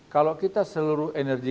kalau kita seluruh energi